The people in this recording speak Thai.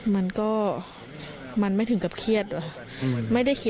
มันก็มันไม่ถึงกับเครียดเหรอ